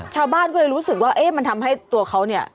ชาวบ้านก็เลยรู้สึกว่าเอ๊ะมันทำให้ตัวเขาเนี่ย